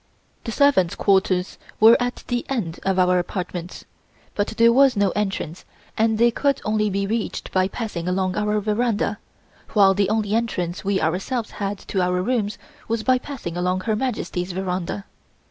The servants' quarters were at the end of our apartments, but there was no entrance and they could only be reached by passing along our veranda, while the only entrance we ourselves had to our rooms was by passing along Her Majesty's veranda.